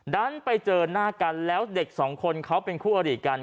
ดันไปเจอหน้ากันแล้วเด็กสองคนเขาเป็นคู่อดีตกัน